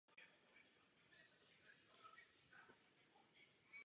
Oba jeho rodiče byli právníci.